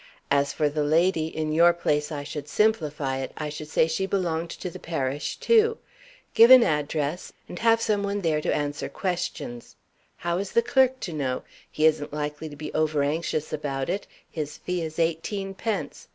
As for the lady, in your place I should simplify it. I should say she belonged to the parish too. Give an address, and have some one there to answer questions. How is the clerk to know? He isn't likely to be over anxious about it his fee is eighteen pence.